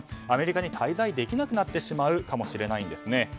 アメリカに滞在できなくなってしまうかもしれないんです。